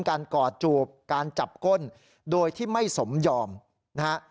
กอดจูบการจับก้นโดยที่ไม่สมยอมนะฮะ